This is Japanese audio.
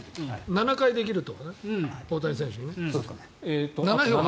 ７回できるってことね大谷選手にね。